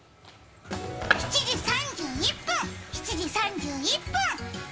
７時３１分、７時３１分。